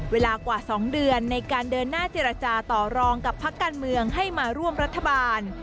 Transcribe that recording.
เวลากว่า๒เดือนในการเดินหน้าเจรจาต่อรองกับพักการเมืองให้มาร่วมรัฐบาล